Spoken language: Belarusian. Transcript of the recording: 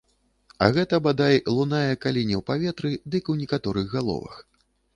А гэта, бадай, лунае калі не ў паветры, дык у некаторых галовах.